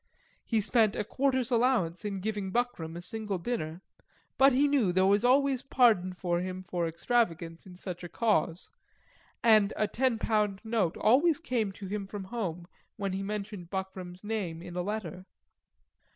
He spent a quarter's allowance in giving Buckram a single dinner; but he knew there was always pardon for him for extravagance in such a cause; and a ten pound note always came to him from home when he mentioned Buckram's name in a letter.